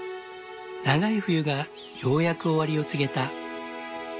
長い冬がようやく終わりを告げた。